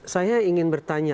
saya ingin bertanya